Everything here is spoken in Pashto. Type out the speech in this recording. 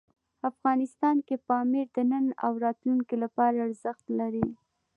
افغانستان کې پامیر د نن او راتلونکي لپاره ارزښت لري.